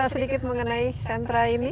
sedikit mengenai sentra ini